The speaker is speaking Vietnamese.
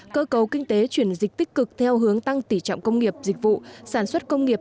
cơ cấu kinh tế chuyển dịch tích cực theo hướng tăng tỉ trọng công nghiệp dịch vụ sản xuất công nghiệp